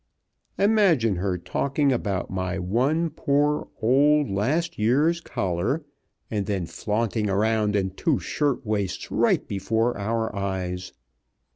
Imagine her talking about my one poor old last year's collar, and then flaunting around in two shirt waists right before our eyes.